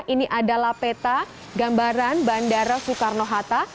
ini adalah peta gambaran bandara soekarno hatta